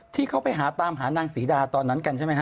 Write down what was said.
ที่เขาไปหาตามหานางศรีดาตอนนั้นกันใช่ไหมฮ